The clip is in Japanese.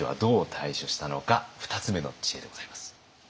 ２つ目の知恵でございます。